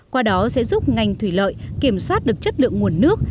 qua đó sẽ giúp ngành thủy lợi kiểm soát được chất lượng nguồn nước